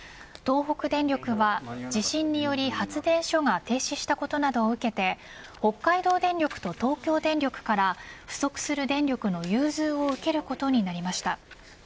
東北電力は地震により発電所が停止したことなどを受けて北海道電力と東京電力から不足する電力の融通を受けることになりました。